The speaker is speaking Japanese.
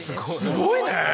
すごいね！